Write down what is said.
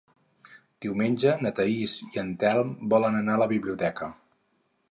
Diumenge na Thaís i en Telm volen anar a la biblioteca.